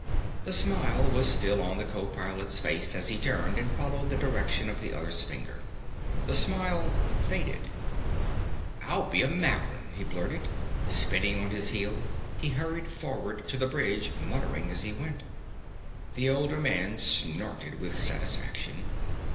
The smile was still on the co pilot's face as he turned and followed the direction of the other's finger. The smile faded. "I'll be a makron!" he blurted. Spinning on his heel, he hurried forward to the bridge, muttering as he went. The older man snorted with satisfaction.